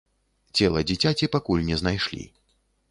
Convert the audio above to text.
Цела дзіцяці пакуль не знайшлі.